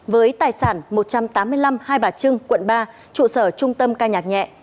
với tài sản một trăm tám mươi năm hai bà trưng quận ba trụ sở trung tâm ca nhạc nhẹ